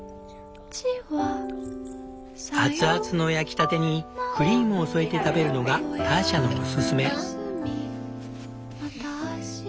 熱々の焼きたてにクリームを添えて食べるのがターシャのおすすめ。